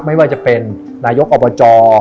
ไม่ว่าจะเป็นนายกอบจ